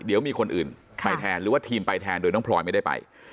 เดี๋ยวมีคนอื่นไปแทนหรือว่าทีมไปแทนโดยน้องพลอยไม่ได้ไป